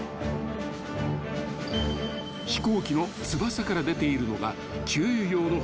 ［飛行機の翼から出ているのが給油用のホース］